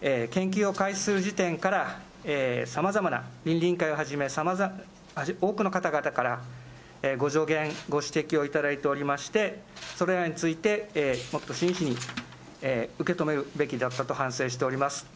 研究を開始する時点から、さまざまな、倫理委員会をはじめ、多くの方々からご助言、ご指摘をいただいておりまして、それらについてもっと真摯に受け止めるべきであったと反省しております。